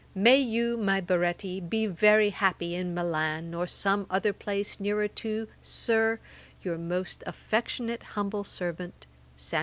'May you, my Baretti, be very happy at Milan, or some other place nearer to, Sir, 'Your most affectionate humble servant, 'SAM.